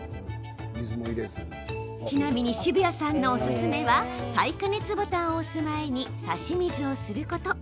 ちなみに澁谷さんのおすすめは再加熱ボタンを押す前に差し水をすること。